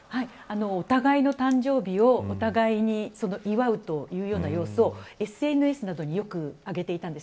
お互いの誕生日をお互いに祝うというような様子を、ＳＮＳなどによく上げていたんです。